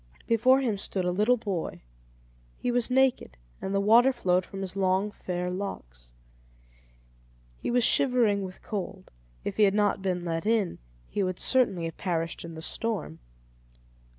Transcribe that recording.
Before him stood a little boy; he was naked, and the water flowed from his long fair locks. He was shivering with cold; if he had not been let in, he would certainly have perished in the storm.